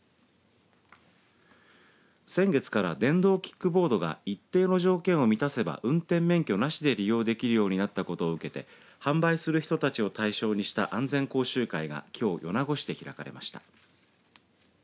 先月から電動キックボードが一定の条件を満たせば運転免許なしで利用できるようになったことを受けて販売する人たちを対象にした安全講習会がきょう米子市で開かれました。